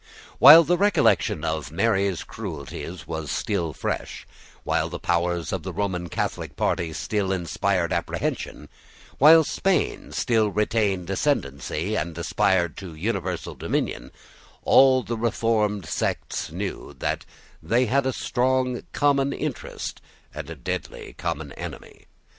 While the recollection of Mary's cruelties was still fresh, while the powers of the Roman Catholic party still inspired apprehension, while Spain still retained ascendency and aspired to universal dominion, all the reformed sects knew that they had a strong common interest and a deadly common enemy.